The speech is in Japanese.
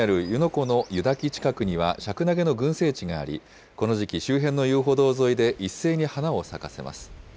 湖の湯滝近くには、シャクナゲの群生地があり、この時期、周辺の遊歩道沿いで一斉に花を咲かせます。